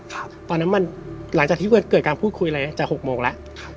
ตอนนั้นมันหลังจากที่เกิดการพูดคุยอะไรจะหกโมงแล้วครับ